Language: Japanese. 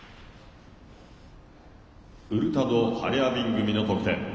ウルタドハリャービン組の得点。